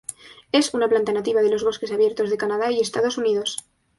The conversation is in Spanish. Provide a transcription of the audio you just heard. Es una planta nativa de los bosques abiertos de Canadá y Estados Unidos.